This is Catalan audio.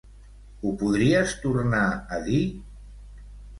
Ho podries tornar a dir?